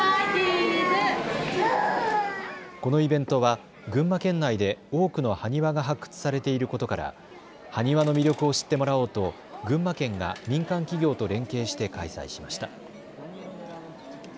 このイベントは群馬県内で多くの埴輪が発掘されていることから埴輪の魅力を知ってもらおうと群馬県が民間企業と連携して開催しました。